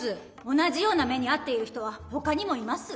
同じような目にあっている人はほかにもいます。